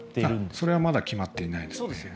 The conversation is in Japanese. それは決まってないですね。